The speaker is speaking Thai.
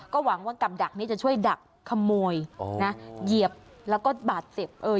หวังว่ากำดักนี้จะช่วยดักขโมยนะเหยียบแล้วก็บาดเจ็บเออ